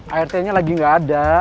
artnya lagi gak ada